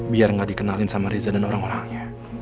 biar gak dikenalin sama riza dan orang orangnya